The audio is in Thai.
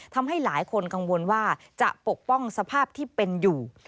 ทำให้หลายคนกังวลว่าจะปกป้องสภาพที่เป็นอยู่